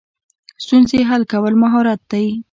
ستونزې حل کول مهارت دی